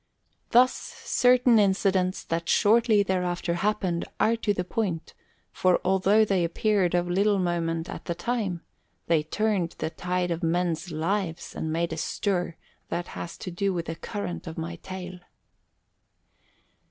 Thus certain incidents that shortly thereafter happened are to the point, for although they appeared of little moment at the time, they turned the tide of men's lives and made a stir that has to do with the current of my tale.